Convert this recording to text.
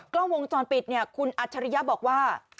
กล้องวงจรปิดเนี่ยคุณอัจฉริยะบอกว่า